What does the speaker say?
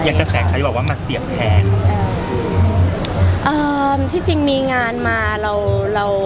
ยังแต่แสดงใครบอกว่ามาเสียแผนเอ่อที่จริงมีงานมาเราเรา